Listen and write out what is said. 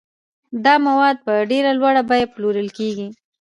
دا مواد په ډېره لوړه بیه پلورل کیږي.